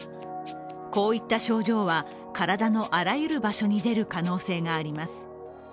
こういった症状は、体のあらゆる場所に出る可能性があります。